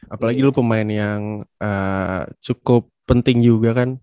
apalagi lu pemain yang cukup penting juga kan